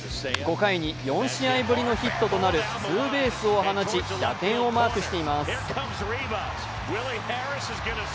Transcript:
５回に４試合ぶりのヒットとなるツーベースを放ち打点をマークしています。